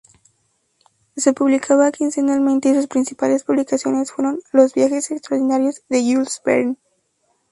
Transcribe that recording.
Se publicaba quincenalmente y sus principales publicaciones fueron los "Viajes extraordinarios" de Jules Verne.